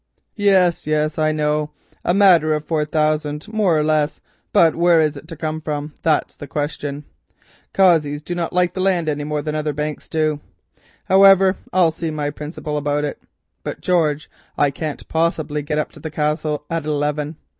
"Yes, yes, I know, a matter of four thousand more or less, but where is it to come from, that's the question? Cossey's do not like land now, any more than other banks do. However, I'll see my principal about it. But, George, I can't possibly get up to the Castle at eleven.